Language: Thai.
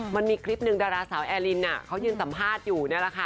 มันมีคลิปหนึ่งดาราสาวแอลินเขายืนสัมภาษณ์อยู่นี่แหละค่ะ